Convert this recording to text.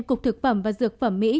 cục thực phẩm và dược phẩm mỹ